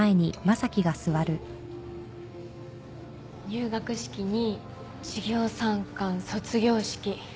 入学式に授業参観卒業式。